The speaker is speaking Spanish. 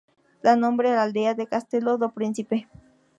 Da nombre a la aldea de Castelo do Príncipe.